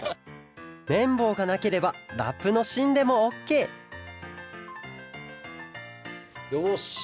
めんぼうがなければラップのしんでもオッケーよし！